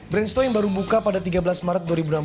brandsto yang baru buka pada tiga belas maret dua ribu enam belas